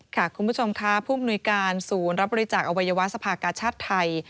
คุณผู้ชมค่ะผู้มนุยการศูนย์รับบริจาคอวัยวะสภากาชาติไทย